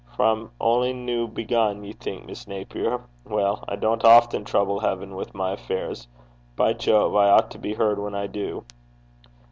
'For I'm only new begun, ye think, Miss Naper. Well, I don't often trouble heaven with my affairs. By Jove! I ought to be heard when I do.'